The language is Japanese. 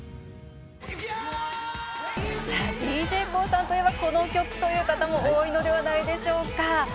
ＤＪＫＯＯさんといえばこの曲という方も多いのではないでしょうか。